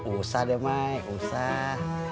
usah deh mai usah